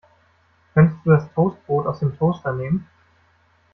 Könntest du das Toastbrot aus dem Toaster nehmen?